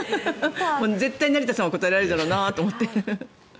絶対成田さんは答えられるだろうなって。